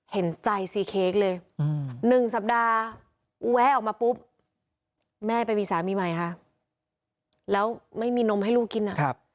เห็นใจซีเค้กเลย๑สัปดาห์แวะออกมาปุ๊บแม่ไปมีสามีใหม่ค่ะแล้วไม่มีนมให้ลูกกินอ่ะ